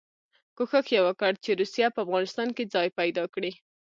کوښښ یې وکړ چې روسیه په افغانستان کې ځای پیدا کړي.